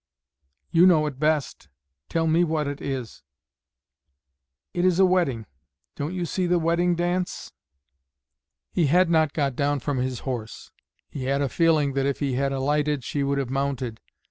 "You know it best; tell me what it is." "It is a wedding. Don't you see the wedding dance?" He had not got down from his horse; he had a feeling that if he had alighted she would have mounted.